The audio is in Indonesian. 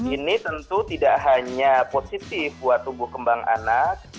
ini tentu tidak hanya positif buat tumbuh kembang anak